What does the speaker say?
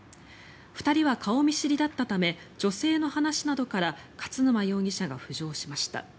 ２人は顔見知りだったため女性の話などから勝沼容疑者が浮上しました。